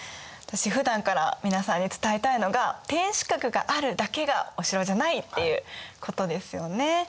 私ふだんから皆さんに伝えたいのが天守閣があるだけがお城じゃないっていうことですよね。